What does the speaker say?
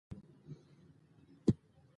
د افغانستان په منظره کې واوره خورا ښکاره ده.